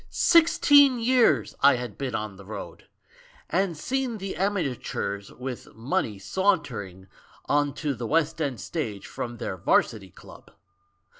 Sixteen years I had been on the road — and seen the amateurs with money sauntering on to the West End stage from their Varsity Club